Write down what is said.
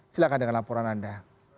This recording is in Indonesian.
silahkan dengan laporan anda